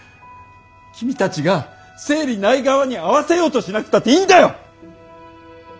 君たちが生理ない側に合わせようとしなくたっていいんだよ！